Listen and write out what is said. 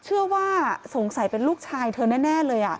เชื่อว่าสงสัยเป็นลูกชายเธอแน่เลย